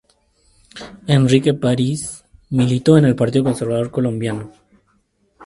Henrique París militó en el Partido Conservador Colombiano.